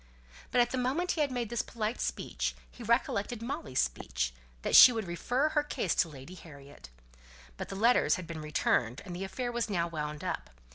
But the moment after he had made this polite speech, he recollected Molly's speech that she would refer her case to Lady Harriet. But the letters had been returned, and the affair was now wound up.